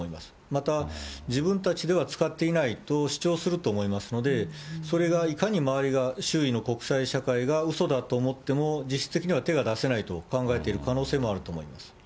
また、自分たちでは使っていないと主張すると思いますので、それがいかに周りが、周囲の国際社会がうそだと思っても、実質的には手が出せないと考えている可能性もあると思います。